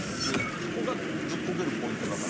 そこがずっこけるポイントだから。